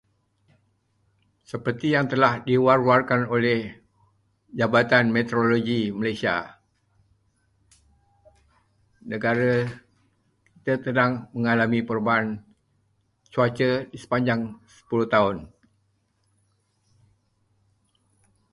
Seperti yang telah diwar-warkan oleh Jabatan Metrologi Malaysia, negara kita sedang mengalami perubahan cuaca di sepanjang sepuluh tahun.